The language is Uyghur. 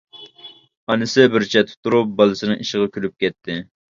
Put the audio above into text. ئانىسى بىر چەتتە تۇرۇپ بالىسىنىڭ ئىشىغا كۈلۈپ كەتتى.